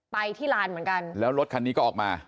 ไปที่ลานเหมือนกันแล้วรถคันนี้ก็ออกมา